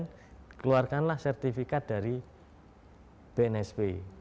keluarkanlah sertifikat dari bnsp